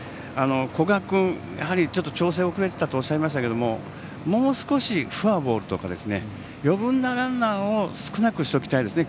古賀君やはり調整が遅れていたとおっしゃいましたけどもう少し、フォアボールとか余分なランナーを少なくしておきたいですね。